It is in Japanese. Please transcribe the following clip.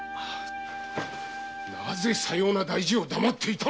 なぜさような大事を黙っていたのですか！